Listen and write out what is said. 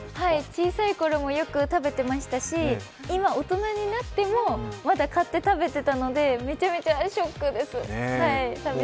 小さいころもよく食べてましたし、今、大人になってもまだ買って食べてたのでめちゃめちゃショックです。